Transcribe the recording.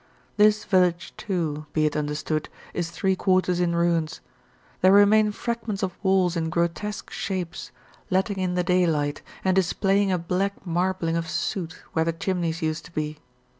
This village, too, be it understood, is three quarters in ruins; there remain fragments of walls in grotesque shapes, letting in the daylight and displaying a black marbling of soot where the chimneys used to be.